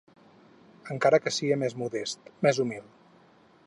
Encara que sia més modest, més humil